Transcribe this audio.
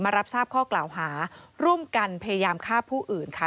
รับทราบข้อกล่าวหาร่วมกันพยายามฆ่าผู้อื่นค่ะ